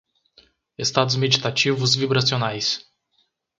Estados meditativos vibracionais